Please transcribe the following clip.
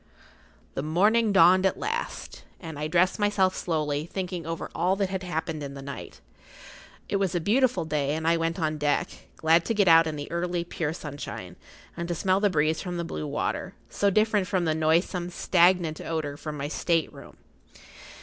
The morning dawned at last, and I dressed myself slowly, thinking over all that had happened in the night. It was a beautiful day and I went on deck, glad to get out in the early, pure sunshine, and to smell the breeze[Pg 48] from the blue water, so different from the noisome, stagnant odour from my state room.